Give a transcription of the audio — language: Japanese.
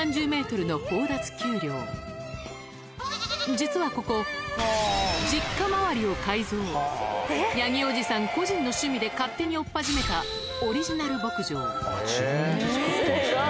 実はここ実家周りを改造ヤギおじさん個人の趣味で勝手におっぱじめたハハハ！